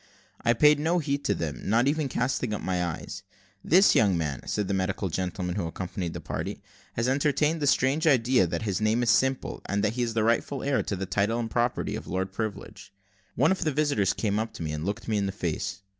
I paid no heed to them, not even casting up my eyes. "This young man," said the medical gentleman who accompanied the party, "has entertained the strange idea that his name is Simple, and that he is the rightful heir to the title and property of Lord Privilege." One of the visitors came up to me, and looked me in the face.